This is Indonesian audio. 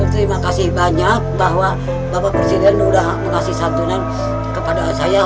terima kasih banyak bahwa bapak presiden sudah mengasih santunan kepada saya